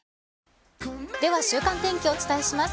では週間天気をお伝えします。